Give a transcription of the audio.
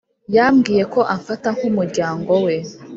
Yambwiye ko amfata nk’umuryango we